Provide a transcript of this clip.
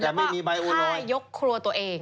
แล้วก็ฆ่ายกครัวตัวเอง